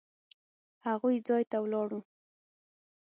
هغوی ځای ته ولاړو.